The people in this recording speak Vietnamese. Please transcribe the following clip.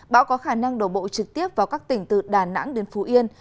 bão có khả năng đổ bộ trực tiếp vào các tỉnh từ đà nẵng đến phú yên